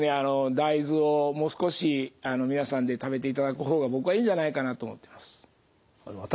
大豆をもう少し皆さんで食べていただく方が僕はいいんじゃないかなと思ってます。